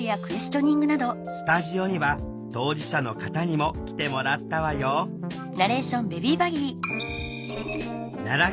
スタジオには当事者の方にも来てもらったわよさあ